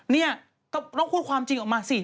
เนี่ยก็ต้องพูดความจริงออกมาสิ